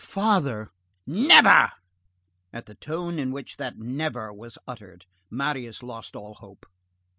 "Father—" "Never!" At the tone in which that "never" was uttered, Marius lost all hope.